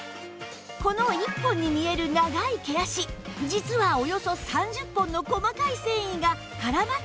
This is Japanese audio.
この１本に見える長い毛足実はおよそ３０本の細かい繊維が絡まっている状態なんです